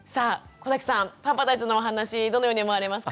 小さんパパたちのお話どのように思われますか？